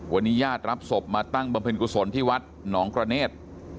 วันนี้ญาติรับศพมาตั้งบำเพ็ญกุศลที่วัดหนองกระเนธ